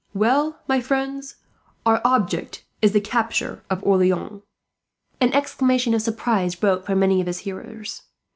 "Well, my friends, our object is the capture of Orleans." An exclamation of surprise broke from many of his hearers.